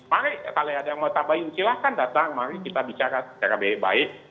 mari kalau ada yang mau tambahin silahkan datang mari kita bicara secara baik baik